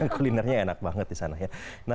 kulinernya enak banget di sana ya